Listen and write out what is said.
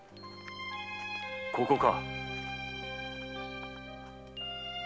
ここか。